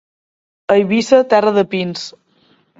Eivissa, terra de pins.